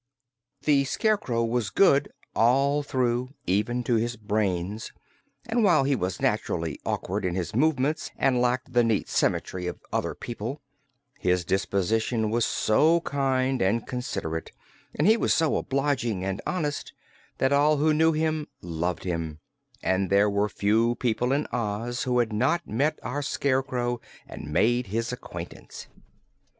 The Scarecrow was good all through, even to his brains, and while he was naturally awkward in his movements and lacked the neat symmetry of other people, his disposition was so kind and considerate and he was so obliging and honest, that all who knew him loved him, and there were few people in Oz who had not met our Scarecrow and made his acquaintance.